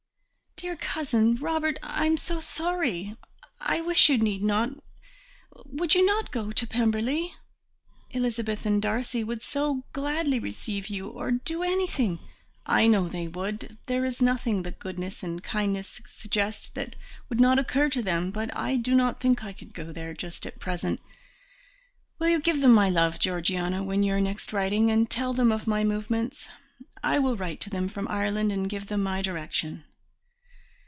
"Dear Cousin Robert, I am so sorry; I wish you need not ... would you not go to Pemberley? Elizabeth and Darcy would so gladly receive you, or do anything " "I know they would; there is nothing that goodness and kindness suggest that would not occur to them, but I do not think I could go there just at present. Will you give them my love, Georgiana, when you are next writing, and tell them of my movements? I will write to them from Ireland and give them my direction."